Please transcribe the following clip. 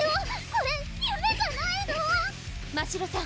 これ夢じゃないの⁉ましろさん！